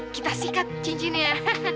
kita sikat cincinnya